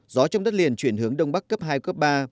gió trong đất liền chuyển hướng đông bắc cấp hai cấp ba